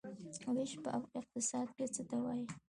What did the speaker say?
ویش په اقتصاد کې څه ته وايي؟